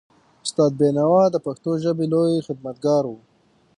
استاد بینوا د پښتو ژبې لوی خدمتګار و.